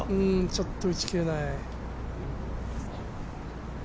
ちょっと打ち切れない。